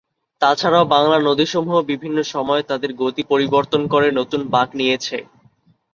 তাছাড়াও বাংলার নদীসমূহ বিভিন্ন সময়ে তাদের গতি পরিবর্তন করে নতুন বাঁক নিয়েছে।